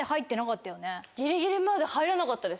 ギリギリまで入らなかったです。